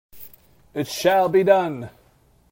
It shall be done!